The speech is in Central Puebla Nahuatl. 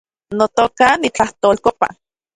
Notoka , nitlajtolkopa